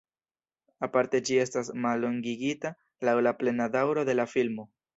Aparte ĝi estas mallongigita laŭ la plena daŭro de la filmo.